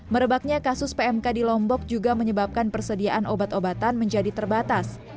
merebaknya kasus pmk di lombok juga menyebabkan persediaan obat obatan menjadi terbatas